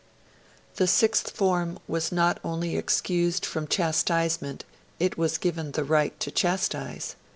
The Sixth Form was not only excused from chastisement; it was given the right to chastise.